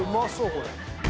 これ。